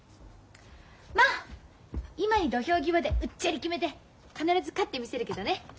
ま今に土俵際でうっちゃり決めて必ず勝ってみせるけどね。